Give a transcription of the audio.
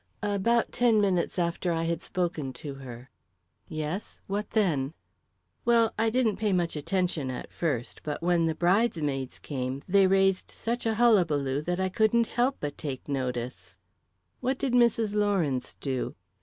"About ten minutes after I had spoken to her." "Yes what then?" "Well, I didn't pay much attention, at first; but when the bridesmaids came, they raised such a hullabaloo that I couldn't help but take notice." "What did Mrs. Lawrence do?"